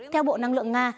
theo bộ năng lượng nga